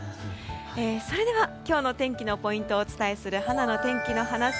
それでは、今日の天気のポイントをお伝えするはなの天気のはなし。